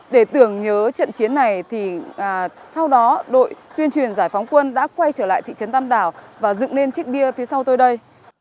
để tưởng nhớ trận chiến này thì sau đó đội tuyên truyền giải phóng quân đã quay trở lại thị trấn tam đảo và dựng lên chiếc bia phía sau tôi đây